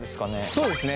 そうですね。